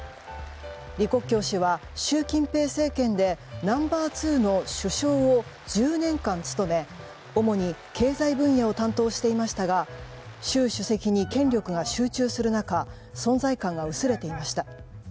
李克強氏は習近平政権でナンバー２の首相を１０年間務め、主に経済分野を担当していましたが習主席に権力が集中する中存在感が薄れていました。